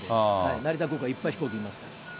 成田空港はいっぱい飛行機いますから。